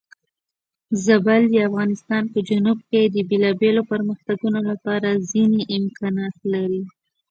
زابل د افغانستان په جنوب کې د بېلابېلو پرمختګونو لپاره ځینې امکانات لري.